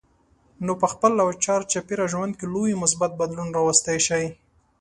نو په خپل او چار چاپېره ژوند کې لوی مثبت بدلون راوستی شئ.